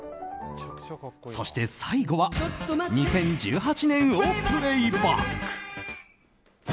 そして最後は２０１８年をプレイバック。